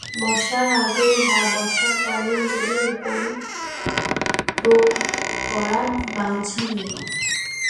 বর্ষার আগে বা বর্ষার পরে সার উপরি প্রয়োগ করা বাঞ্ছনীয়।